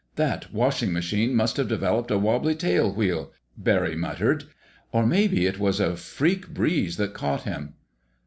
"That washing machine must have developed a wobbly tail wheel," Barry muttered; "or maybe it was a freak breeze that caught him."